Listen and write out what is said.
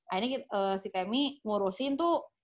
akhirnya si kemi ngurusin tuh